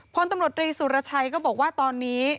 พลตำรวจรีสุรชัยก็บอกว่าตอนนี้